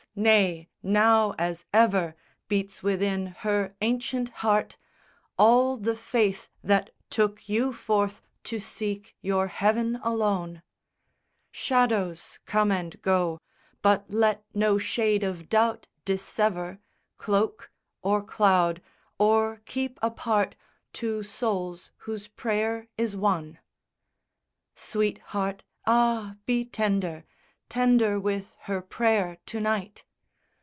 Nay, now as ever Beats within her ancient heart All the faith that took you forth to seek your heaven alone: Shadows come and go; but let no shade of doubt dissever, Cloak, or cloud, or keep apart Two souls whose prayer is one. VI Sweetheart, ah, be tender Tender with her prayer to night!